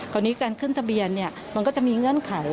คราวนี้การขึ้นทะเบียนมันก็จะมีเงื่อนไข